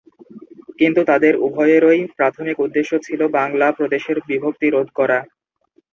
কিন্তু তাঁদের উভয়েরই প্রাথমিক উদ্দেশ্য ছিল বাংলা প্রদেশের বিভক্তি রোধ করা।